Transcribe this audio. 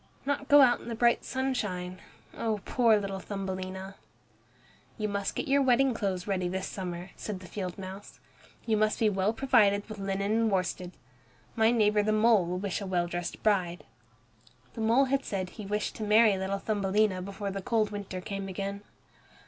Not go out in the bright sunshine! Oh, poor little Thumbelina! "You must get your wedding clothes ready this summer," said the field mouse. "You must be well provided with linen and worsted. My neighbor the mole will wish a well dressed bride." The mole had said he wished to marry little Thumbelina before the cold winter came again.